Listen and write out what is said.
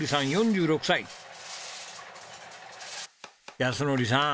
靖典さん